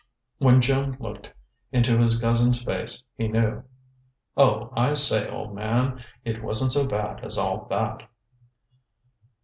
When Jim looked into his cousin's face, he knew. "Oh, I say, old man, it wasn't so bad as all that."